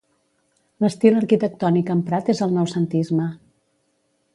L'estil arquitectònic emprat és el noucentisme.